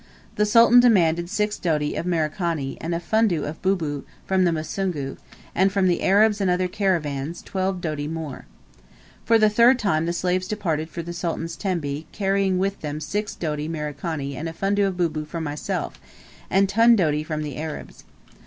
The Sultan demanded six doti of Merikani, and a fundo of bubu, from the Musungu; and from the Arabs and other caravans, twelve doti more. For the third time the slaves departed for the Sultan's tembe, carrying with them six doti Merikani and a fundo of bubu from myself, and ten doti from the Arabs.